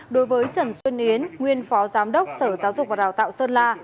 đối với trần xuân yến nguyên phó giám đốc sở giáo dục và đào tạo sơn la